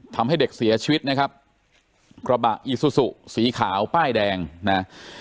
ทำให้เด็กเสียชีวิตนะครับกระบะอีซูซูสีขาวป้ายแดงนะ